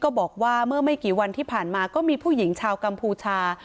บอกว่าเมื่อไม่กี่วันที่ผ่านมาก็มีผู้หญิงชาวกัมพูชา